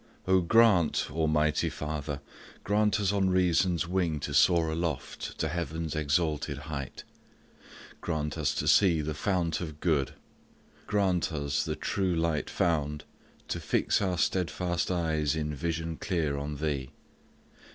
Oh, grant, almighty Father, Grant us on reason's wing to soar aloft To heaven's exalted height; grant us to see The fount of good; grant us, the true light found, To fix our steadfast eyes in vision clear On Thee.